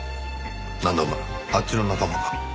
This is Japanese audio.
なんだお前あっちの仲間か。